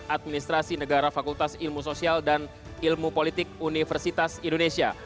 administrasi negara fakultas ilmu sosial dan ilmu politik universitas indonesia